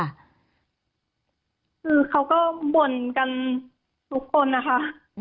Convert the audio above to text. คือเขาก็บ่นกันทุกคนนะคะ